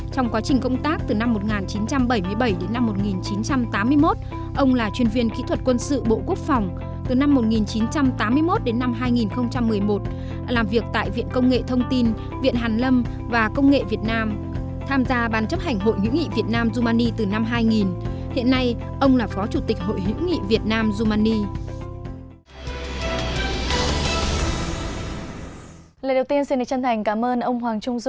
trong quá trình công tác từ năm một nghìn chín trăm bảy mươi bảy đến năm một nghìn chín trăm tám mươi một ông là chuyên viên kỹ thuật quân sự bộ quốc phòng từ năm một nghìn chín trăm tám mươi một đến năm hai nghìn một mươi một